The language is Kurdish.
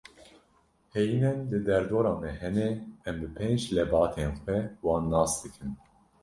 Heyînên li derdora me hene, em bi pênc lebatên xwe wan nas dikin.